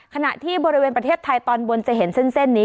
ขณะที่บริเวณประเทศไทยตอนบนจะเห็นเส้นนี้